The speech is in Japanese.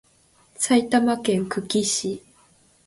埼玉県久喜市